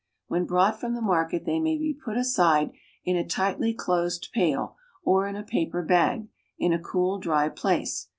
When brought from the market they may be put aside, in a tightly closed pail, or in a paper bag, in a cool, dry place.